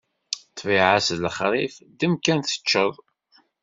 Ṭṭbiɛa-s d lexṛif, ddem kan teččeḍ!